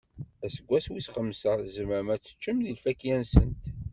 Aseggas wis xemsa, tzemrem ad teččem si lfakya-nsent.